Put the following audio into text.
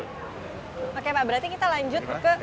oke pak berarti kita lanjut ke